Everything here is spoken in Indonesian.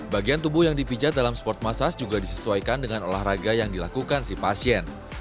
bagian tubuh yang dipijat dalam sport massage juga disesuaikan dengan olahraga yang dilakukan si pasien